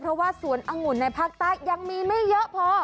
เพราะว่าสวนองุ่นในภาคใต้ยังมีไม่เยอะพอ